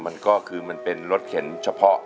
มันก็คือมันเป็นรถเข็นเฉพาะ